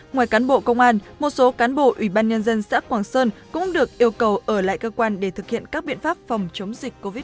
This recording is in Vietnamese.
ngoài cán bộ công an một số cán bộ ủy ban nhân dân xã quảng sơn cũng được yêu cầu ở lại cơ quan để thực hiện các biện pháp phòng chống dịch covid một mươi chín